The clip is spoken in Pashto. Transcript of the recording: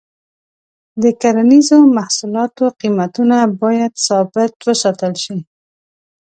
د کرنیزو محصولاتو قیمتونه باید ثابت وساتل شي.